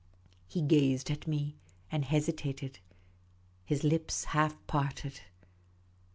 ' He gazed at me and hesitated. His lips half parted.